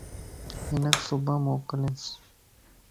ھنک صبان موڪلينس